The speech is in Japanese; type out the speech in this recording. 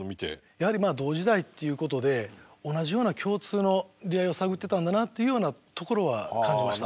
やはりまあ同時代ということで同じような共通の理合を探ってたんだなっていうようなところは感じました。